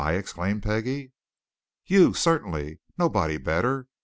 exclaimed Peggie. "You, certainly! Nobody better.